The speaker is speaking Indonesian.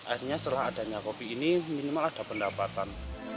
akhirnya setelah adanya kopi ini minimal ada pendapatan